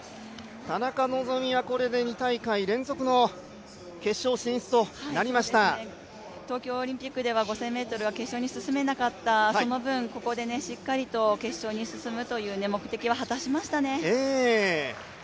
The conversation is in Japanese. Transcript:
田中希実はこれで２大会連続の決勝進出となりました東京オリンピックでは５０００ｍは決勝に進めなかったその分、ここでしっかりと決勝に進むという目的を果たしましたね。